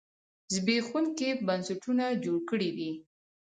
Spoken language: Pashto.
زبېښونکي بنسټونه جوړ کړي دي.